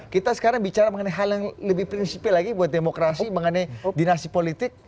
kita sekarang bicara mengenai hal yang lebih prinsipil lagi buat demokrasi mengenai dinasti politik